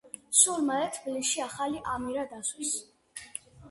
სულ მალე თბილისში ახალი ამირა დასვეს.